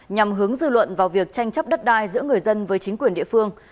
nhằm hướng dư luận vào việc tranh chấp đất đai giữa người dân với chính quyền địa phương